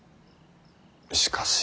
しかし。